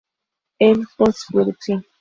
En "Postproducción.